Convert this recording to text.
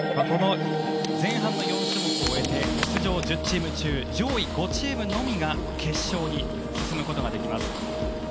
前半の４種目を終えて出場１０チーム中上位５チームのみが決勝に進むことができます。